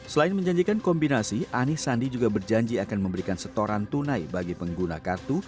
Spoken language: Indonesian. selain menjanjikan kombinasi anies sandi juga berjanji akan memberikan setoran tunai bagi pengguna kartu